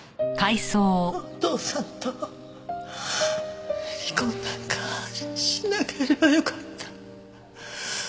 お父さんと離婚なんかしなければよかった。